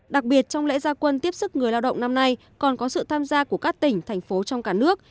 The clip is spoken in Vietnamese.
đặc biệt trong lễ gia quân tiếp sức người lao động năm nay còn có sự tham gia của các tỉnh thành phố trong cả nước